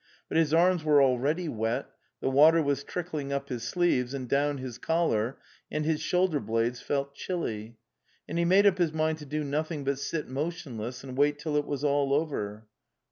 But his arms were already wet, the water was trickling up his sleeves and down his col lar, and his shoulder blades felt chilly. And he made up his mind to do nothing but sit motionless and wait till it was all over.